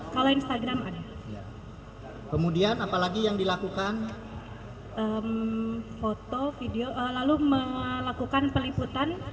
kalau instagram ada kemudian apalagi yang dilakukan foto video lalu melakukan peliputan